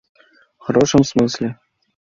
В хорошем смысле?